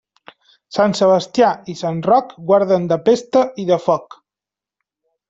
Sant Sebastià i sant Roc guarden de pesta i de foc.